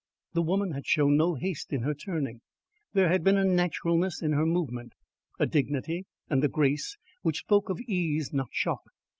The woman had shown no haste in her turning! There had been a naturalness in her movement, a dignity and a grace which spoke of ease, not shock.